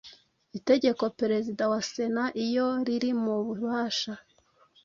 itegeko perezida wa sena iyo riri mu bubasha